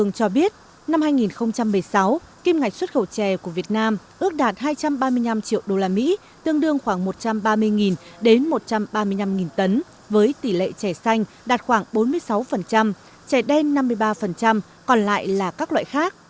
cho biết năm hai nghìn một mươi sáu kim ngạch xuất khẩu chè của việt nam ước đạt hai trăm ba mươi năm triệu usd tương đương khoảng một trăm ba mươi đến một trăm ba mươi năm tấn với tỷ lệ trẻ xanh đạt khoảng bốn mươi sáu chè đen năm mươi ba còn lại là các loại khác